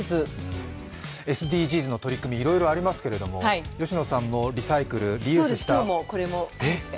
ＳＤＧｓの取り組み、いろいろありますけれども、佳乃さんもリユースした？